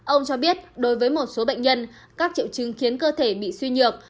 ông cho biết đối với một số bệnh nhân các triệu chứng khiến cơ thể bị suy nhược